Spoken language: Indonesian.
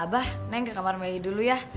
abah neng ke kamar bayi dulu ya